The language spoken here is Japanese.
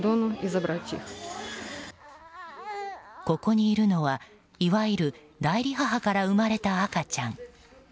ここにいるのはいわゆる代理母から生まれた赤ちゃん。